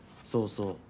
そうそう。